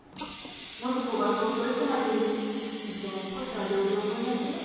暢子が東京行くまでにうちも少しは料理覚えないとね。